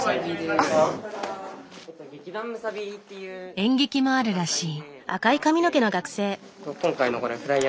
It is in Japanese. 演劇もあるらしい。